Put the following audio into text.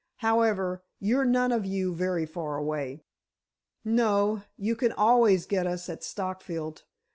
However, you're none of you very far away." "No; you can always get us at Stockfield. Mr.